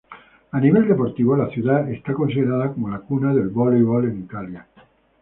A nivel deportivo, la ciudad es considerada como la cuna del voleibol en Italia.